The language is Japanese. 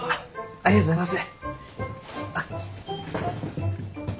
ありがとうございます。